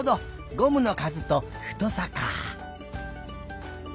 ゴムのかずと太さかあ。